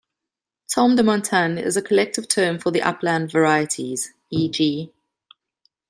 Tomme de Montagne is a collective term for the upland varieties, e.g.